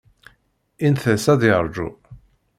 Int-as ad yerju